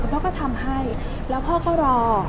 พ่อก็ทำให้แล้วพ่อก็รอ